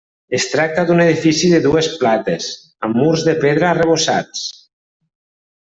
Es tracta d'un edifici de dues plates amb murs de pedra arrebossats.